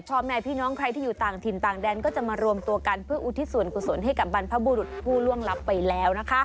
พ่อแม่พี่น้องใครที่อยู่ต่างถิ่นต่างแดนก็จะมารวมตัวกันเพื่ออุทิศส่วนกุศลให้กับบรรพบุรุษผู้ล่วงลับไปแล้วนะคะ